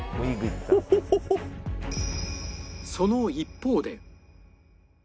その一方で